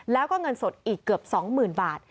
แล้วก็เงินสดอีกเกือบ๒๐๐๐บาท